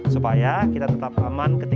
supaya kita tetap bisa mencari alat musik sunda